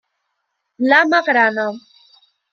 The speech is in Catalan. La Magrana.